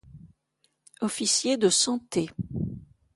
Officier de Santé.